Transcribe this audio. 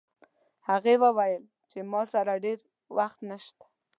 هغې وویل چې ما سره ډېر وخت نشته